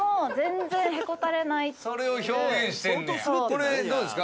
これでどうですか？